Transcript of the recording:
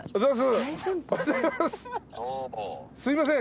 すいません。